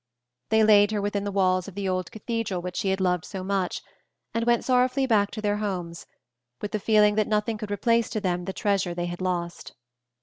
They laid her within the walls of the old cathedral which she had loved so much, and went sorrowfully back to their homes, with the feeling that nothing could replace to them the treasure they had lost.